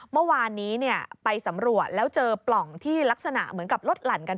เมื่อวานนี้ไปสำรวจแล้วเจอปล่องที่ลักษณะเหมือนกับลดหลั่นกัน